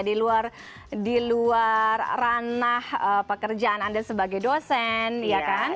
di luar ranah pekerjaan anda sebagai dosen ya kan